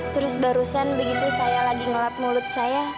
terus barusan begitu saya lagi ngelap mulut saya